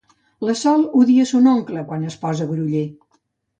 La Sol odia son oncle quan es posa groller.